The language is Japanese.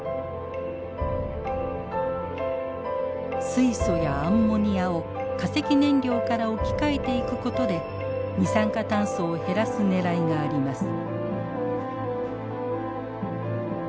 水素やアンモニアを化石燃料から置き換えていくことで二酸化炭素を減らすねらいがあります。